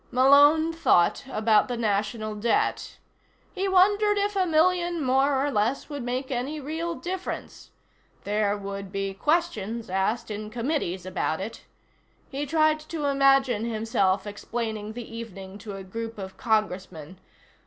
Malone thought about the National Debt. He wondered if a million more or less would make any real difference. There would be questions asked in committees about it. He tried to imagine himself explaining the evening to a group of Congressmen.